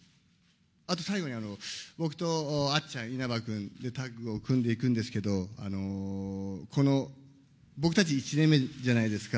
あと最後に、僕とあっちゃん、稲葉君、タッグを組んでいくんですけど、この、僕たち１年目じゃないですか。